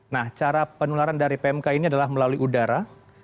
nah cara penularan dari pmk ini adalah melalui udara